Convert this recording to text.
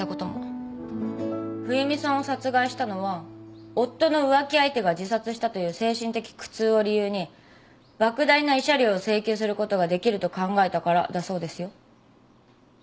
冬美さんを殺害したのは夫の浮気相手が自殺したという精神的苦痛を理由にばく大な慰謝料を請求することができると考えたからだそうですよ。